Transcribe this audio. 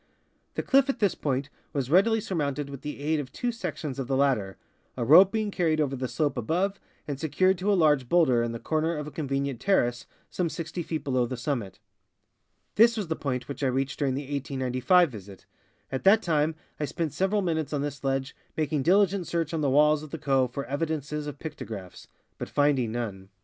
The cliff at this point was readily surmounted with the aid of two sections of the ladder, a rope being carried over the slope above and secured to a large bowlder in the corner of a conve nient terrace some 60 feet below the summit. This was the point which I reached during the 1895 visit. At that time I spent several minutes on this ledge, making diligent FIG. I— ENCHANTED MESA FROM THE SOUTH search on the walls of the cove for evidences of pictographs, but finding none.